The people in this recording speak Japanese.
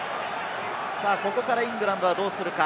ここからイングランドはどうするか？